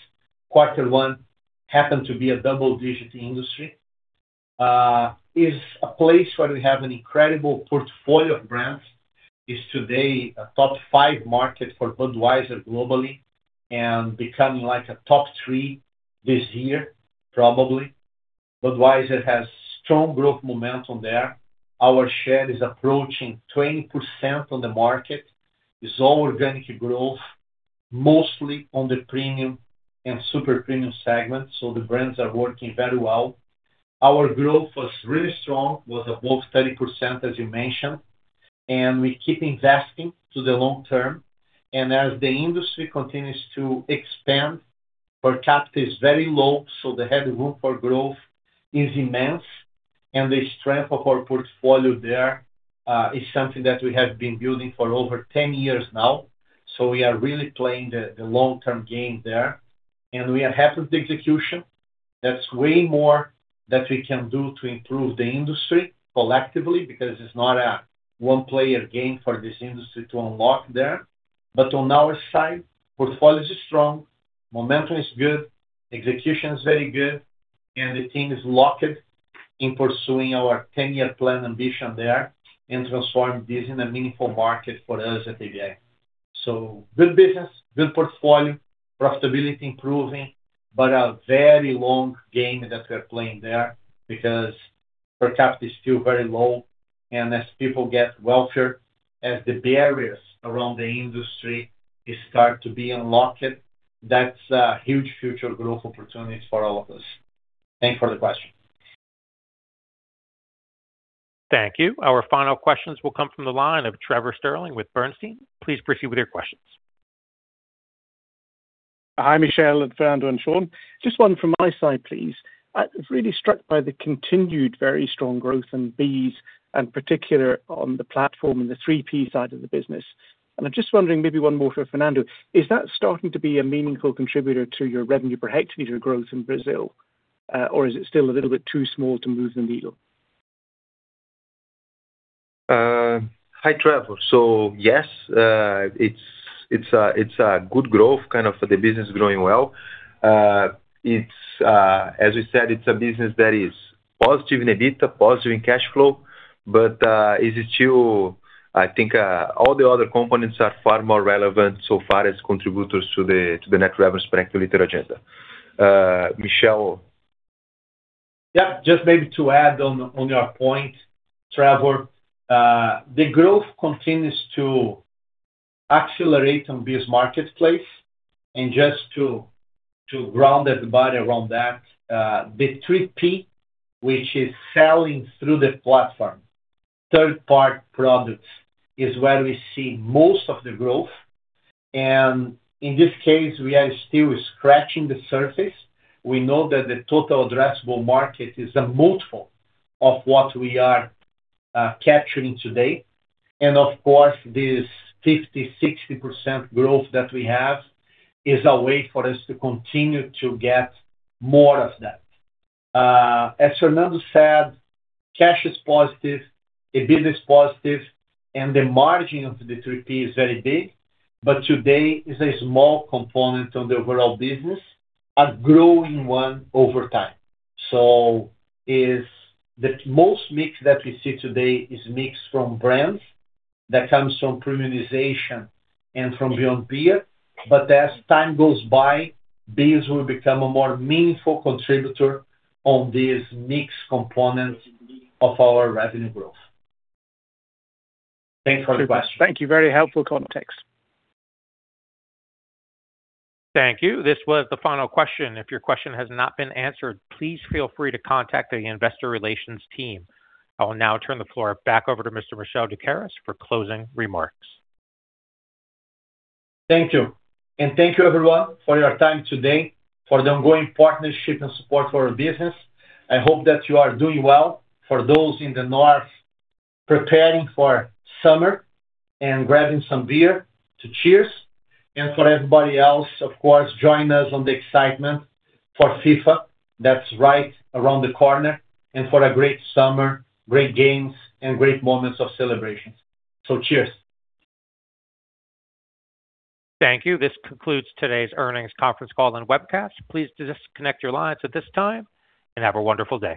S2: Quarter one happened to be a double-digit industry. It's a place where we have an incredible portfolio of brands. It's today a top five market for Budweiser globally and becoming like a top three this year, probably. Budweiser has strong growth momentum there. Our share is approaching 20% on the market. It's all organic growth, mostly on the premium and super premium segment, so the brands are working very well. Our growth was really strong. It was above 30%, as you mentioned, and we keep investing to the long term. As the industry continues to expand, per capita is very low, the headroom for growth is immense, the strength of our portfolio there is something that we have been building for over 10 years now. We are really playing the long-term game there, we are happy with the execution. There's way more that we can do to improve the industry collectively because it's not a one-player game for this industry to unlock there. On our side, portfolio is strong, momentum is good, execution is very good, the team is locked in pursuing our 10-year plan ambition there and transform this in a meaningful market for us at AB InBev. Good business, good portfolio, profitability improving, a very long game that we're playing there because per capita is still very low. As people get wealthier, as the barriers around the industry start to be unlocked, that's a huge future growth opportunity for all of us. Thanks for the question.
S1: Thank you. Our final questions will come from the line of Trevor Stirling with Bernstein. Please proceed with your questions.
S13: Hi, Michel, Fernando and Shaun. Just one from my side, please. I was really struck by the continued very strong growth in BEES, and particular on the platform and the 3P side of the business. I'm just wondering maybe one more for Fernando, is that starting to be a meaningful contributor to your revenue per hectoliter growth in Brazil, or is it still a little bit too small to move the needle?
S3: Hi, Trevor. Yes, it's a good growth, kind of the business is growing well. It's, as you said, it's a business that is positive in EBITDA, positive in cash flow, but is it still I think, all the other components are far more relevant so far as contributors to the net revenue per hectoliter agenda. Michel?
S2: Just maybe to add on your point, Trevor, the growth continues to accelerate on this marketplace. Just to ground everybody around that, the 3P, which is selling through the platform, third-party products, is where we see most of the growth. In this case, we are still scratching the surface. We know that the total addressable market is a multiple of what we are capturing today. Of course, this 50%-60% growth that we have is a way for us to continue to get more of that. As Fernando said, cash is positive, EBITDA is positive, and the margin of the 3P is very big. Today is a small component of the overall business, a growing one over time. Is the most mix that we see today is mix from brands that comes from premiumization and from Beyond Beer. As time goes by, BEES will become a more meaningful contributor on this mix components of our revenue growth. Thanks for the question.
S13: Thank you. Very helpful context.
S1: Thank you. This was the final question. If your question has not been answered, please feel free to contact the investor relations team. I will now turn the floor back over to Mr. Michel Doukeris for closing remarks.
S2: Thank you. Thank you everyone for your time today, for the ongoing partnership and support for our business. I hope that you are doing well. For those in the north preparing for summer and grabbing some beer to cheers. For everybody else, of course, join us on the excitement for FIFA that's right around the corner, and for a great summer, great games, and great moments of celebrations. Cheers.
S1: Thank you. This concludes today's earnings conference call and webcast. Please disconnect your lines at this time, and have a wonderful day.